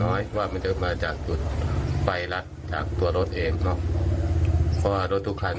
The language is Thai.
ว่ามันจะมาจากจุดไฟรัดจากตัวรถเองเนอะเพราะว่ารถทุกคัน